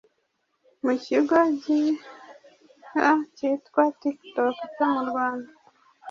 mu kigo gihya cyitwa TikTok cyo murwanda